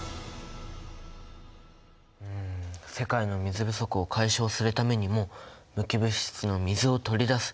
うん世界の水不足を解消するためにも無機物質の水を取り出す。